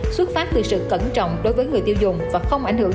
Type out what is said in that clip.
xuất phát từ sự cẩn trọng đối với người tiêu dùng và không ảnh hưởng